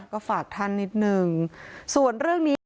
ก็ฝากท่านนิดนึง